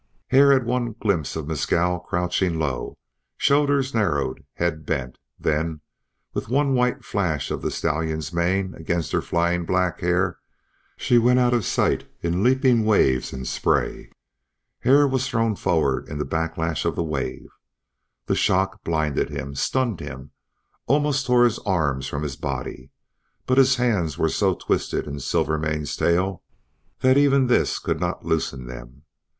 Hare had one glimpse of Mescal crouching low, shoulders narrowed and head bent; then, with one white flash of the stallion's mane against her flying black hair, she went out of sight in leaping waves and spray. Hare was thrown forward into the backlash of the wave. The shock blinded him, stunned him, almost tore his arms from his body, but his hands were so twisted in Silvermane's tail that even this could not loosen them.